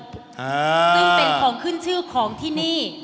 ซึ่งเป็นของขึ้นชื่อของที่นี่